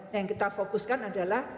yang kita fokuskan adalah